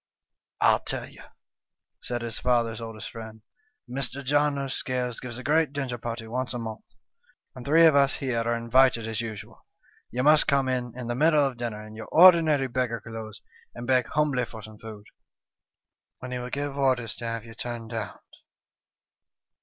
' I'll tell you,' said his father's oldest friend. ' Mr. John o' Scales gives a great dinner party once a month, and three of us here are invited as usual. You must come in in the middle of dinner in your ordinary beggar clothes and beg humbly for some food, when he will give orders to have you turned out.